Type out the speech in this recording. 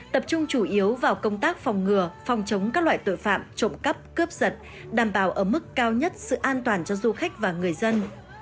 tập trung chủ yếu vào công tác phòng ngừa phòng chống các loại tội phạm trộm cắp cướp giật đảm bảo ở mức cao nhất sự an toàn cho du khách và người dân